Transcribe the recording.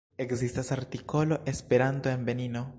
Ekzistas artikolo Esperanto en Benino.